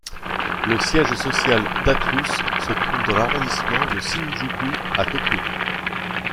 Le siège social d'Atlus se trouve dans l'arrondissement de Shinjuku à Tokyo.